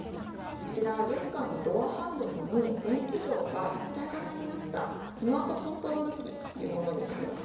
こちら、玄関のドアハンドルに電気錠が一体型になった、スマートコントロールキーというものになります。